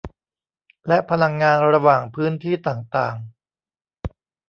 และพลังงานระหว่างพื้นที่ต่างต่าง